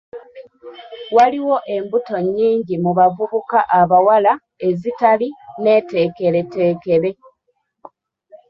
Waliwo embuto nnyingi mu bavubuka abawala ezitali neeteekereteekere.